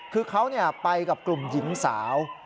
คือเขาไปกับกลุ่มหญิงสาว